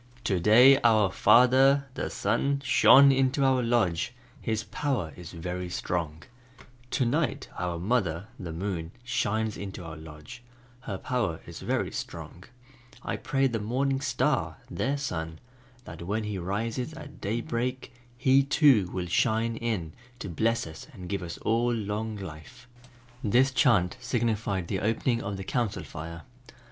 "To day our Father (Sun) shone into our lodge, his power is very strong, To night our mother (Moon) shines into our lodge, her power is very strong, I pray the Morning Star (their Son) that when he rises at daybreak, he too will shine in to bless us and give us long life." This chant signified the opening of the Council Fire.